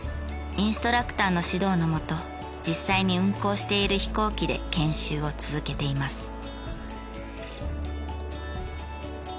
インストラクターの指導の下実際に運航している飛行機で研修を続けています。